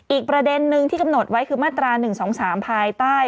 อีกประเด็นนึงที่กำหนดไว้คือมาตรา๑๒๓ภายใต้